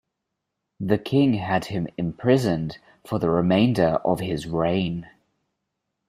The king had him imprisoned for the remainder of his reign.